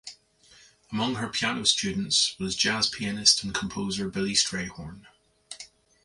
Among her piano students was jazz pianist and composer Billy Strayhorn.